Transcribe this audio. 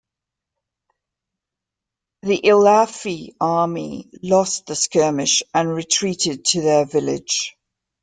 The Ilafy army lost the skirmish and retreated to their village.